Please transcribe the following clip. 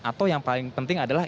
atau yang paling penting adalah